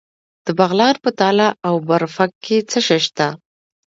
د بغلان په تاله او برفک کې څه شی شته؟